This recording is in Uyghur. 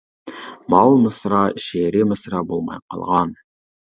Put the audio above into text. ماۋۇ مىسرا شېئىرىي مىسرا بولماي قالغان.